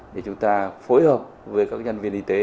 để chúng ta phối hợp với các nhân viên y tế